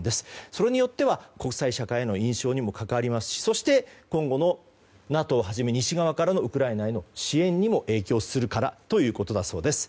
それによっては国際社会の印象にも関わりますしそして今後のＮＡＴＯはじめ西側からのウクライナへの支援にも影響するからということだそうです。